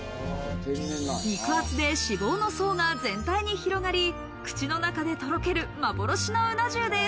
肉厚で脂肪の層が全体に広がり、口の中でとろける幻のうな重です。